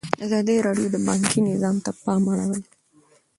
ازادي راډیو د بانکي نظام ته پام اړولی.